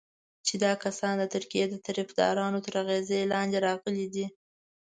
چې دا کسان د ترکیې د طرفدارانو تر اغېز لاندې راغلي دي.